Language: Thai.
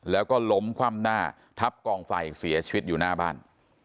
แล้วก็ล้มคว่ำหน้าทับกองไฟเสียชีวิตอยู่หน้าบ้าน